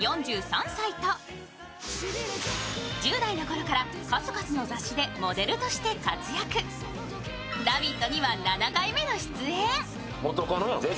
４３歳と１０代のころから数々の雑誌でモデルとして活躍、「ラヴィット！」には７回目の出演。